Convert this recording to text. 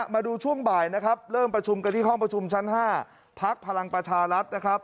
มาดูช่วงบ่ายเริ่มประชุมกันที่ห้องประชุมชั้น๕พลักษณ์พลังประชารัฐ